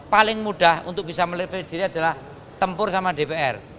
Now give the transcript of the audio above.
paling mudah untuk bisa meleve diri adalah tempur sama dpr